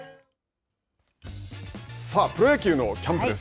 さあ、プロ野球のキャンプです。